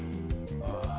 ああ。